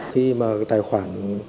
khi mà cái tài khoản